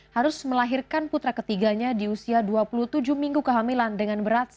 harus melahirkan putra ketiganya di usia dua puluh tujuh minggu kehamilan dengan berat badan